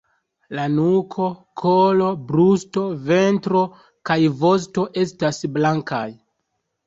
La nuko, kolo, brusto, ventro kaj vosto estas blankaj.